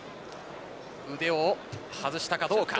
腕を外したかどうか。